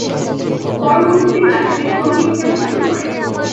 পরবর্তীতে ক্লাসিক্যাল সংগীত শেখা শুরু করেন।